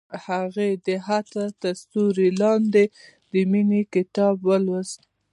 هغې د عطر تر سیوري لاندې د مینې کتاب ولوست.